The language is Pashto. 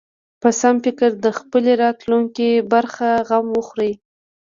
په سم فکر د خپلې راتلونکې برخه غم وخوري.